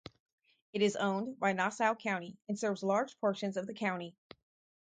It is owned by Nassau County and serves large portions of the county.